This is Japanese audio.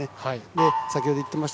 先ほど言っていました